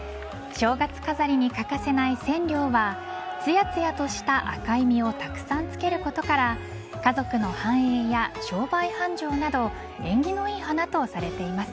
正月飾りに欠かせないセンリョウはつやつやとした赤い実をたくさんつけることから家族の繁栄や商売繁盛など縁起の良い花とされています。